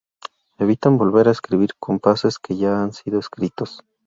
Evitan volver a escribir compases que ya han sido escritos.